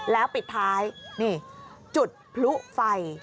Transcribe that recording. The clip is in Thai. แล้วปิดท้ายนี่จุดพลุไฟ